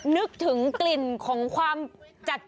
นึกถึงกลิ่นของความจัด